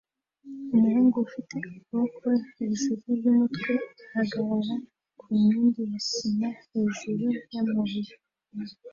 Umuhungu ufite amaboko hejuru yumutwe ahagarara ku nkingi ya sima hejuru yamabuye